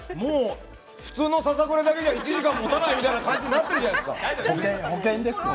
普通のささくれだけじゃもう１時間もたないようになってるじゃないですか。